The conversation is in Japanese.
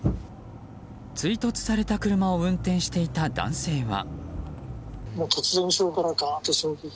追突された車を運転していた男性は。